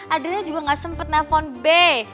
adriana juga gak sempet telepon bey